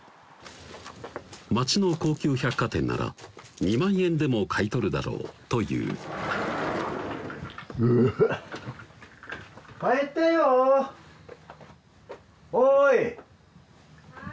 街の高級百貨店なら２万円でも買い取るだろうといううっ・はい？